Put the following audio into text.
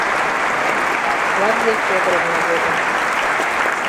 — Клавдия Фёдоровна йодо.